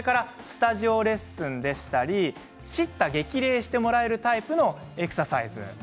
スタジオレッスンやしった激励してもらえるタイプのエクササイズ